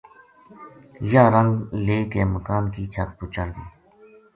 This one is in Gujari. یاہ رنگ لے کے مکان کی چھت پو چڑھ گئی